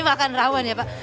makan rawan ya pak